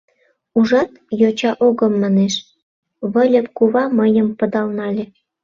Ужат, йоча «огым» манеш, — Выльып кува мыйым пыдал нале.